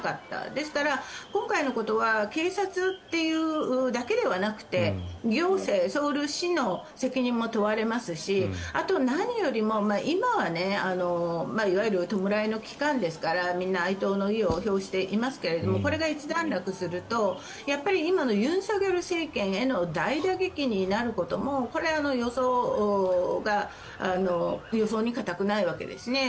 ですから、今回のことは警察っていうだけではなくて行政、ソウル市の責任も問われますしあとは何よりも今はいわゆる弔いの期間ですからみんな哀悼の意を表していますけどこれが一段落すると今の尹錫悦政権への大打撃になることもこれは予想に難くないわけです。